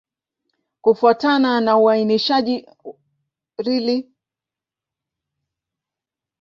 Kufuatana na uainishaji wa lugha kwa ndani zaidi, Kilele iko katika kundi la Kichadiki.